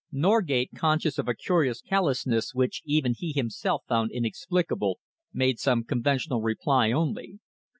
Norgate, conscious of a curious callousness which even he himself found inexplicable, made some conventional reply only.